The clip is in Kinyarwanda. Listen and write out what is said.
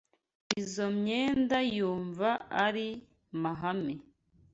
Izoi myenda yumva ari mahame.